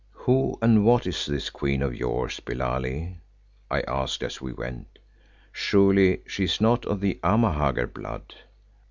"Who and what is this Queen of yours, Billali?" I asked as we went. "Surely she is not of the Amahagger blood."